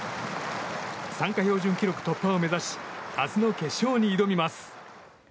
参加標準記録突破を目指し明日の決勝に挑みます。